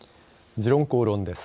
「時論公論」です。